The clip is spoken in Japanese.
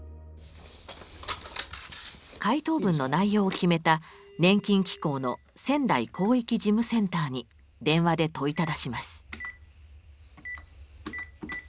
回答文の内容を決めた年金機構の仙台広域事務センターに電話で問いただします。